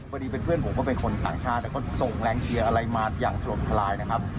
พอดีเป็นเพื่อนผมก็เป็นคนต่างชาติแต่ก็ส่งแรงเชียร์อะไรมาอย่างถล่มทลายนะครับ